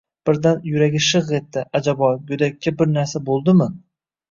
Birdan yuragi shig' etdi. Ajabo, go'dakka bir narsa bo'ldimi?